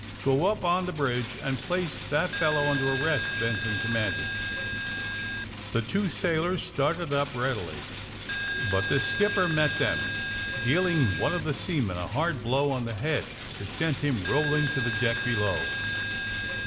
''Go up on the bridge and place that fellow under arrest!" Benson commanded. The two sailors started up, readily. But the skipper met them, dealing one of the seamen a hard blow on the head that sent him rolling to the deck below.